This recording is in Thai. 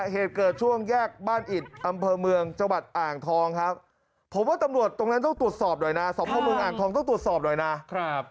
คือเขาคิดยังไงอะ